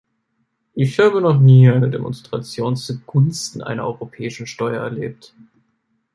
Ich habe noch nie eine Demonstration zugunsten einer europäischen Steuer erlebt.